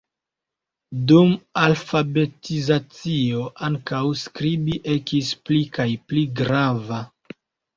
Dum alfabetizacio ankaŭ skribi ekis pli kaj pli grava.